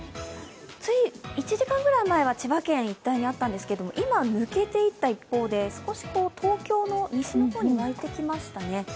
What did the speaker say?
つい１時間ぐらい前は千葉県一帯にあったんですが今、抜けていった一方で少し東京の西の方に湧いてきましたね。